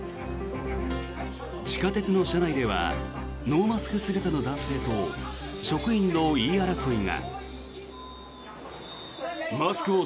地下鉄の車内ではノーマスク姿の男性と職員の言い争いが。